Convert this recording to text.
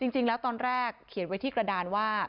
จริงแล้วตอนแรกเขียนไว้ที่กระดานว่า